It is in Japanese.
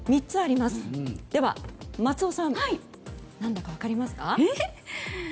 では、松尾さん何だか分かりますか？